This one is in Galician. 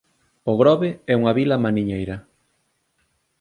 O Grove é unha vila mariñeira.